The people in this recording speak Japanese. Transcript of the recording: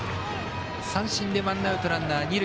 三振でワンアウト、ランナー、二塁。